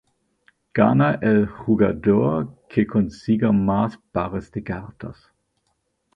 Gana el jugador que consiga más pares de cartas.